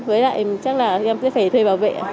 với lại chắc là em sẽ phải thuê bảo vệ